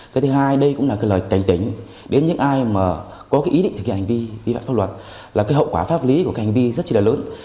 cái thứ hai đây cũng là lời cảnh tỉnh đến những ai có ý định thực hiện hành vi vi pháp luật là hậu quả pháp lý của hành vi rất là lớn